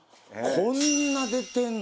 こんな出てんの？